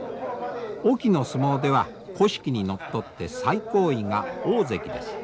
隠岐の相撲では古式にのっとって最高位が大関です。